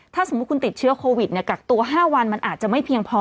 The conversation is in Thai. ถ้าสมมุติคุณติดเชื้อโควิดกักตัว๕วันมันอาจจะไม่เพียงพอ